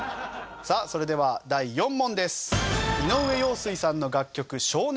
さあそれでは第４問です。